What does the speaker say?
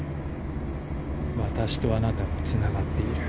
私とあなたはつながっている。